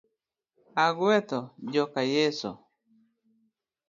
Agwetho joka Yeso.